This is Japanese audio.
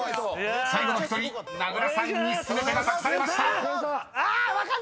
［最後の１人名倉さんに全てが託されました］